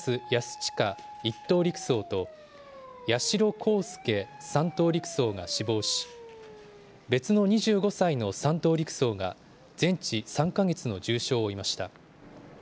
親１等陸曹と八代航佑３等陸曹が死亡し、別の２５歳の３等陸曹が全治３か月の重傷を負いました。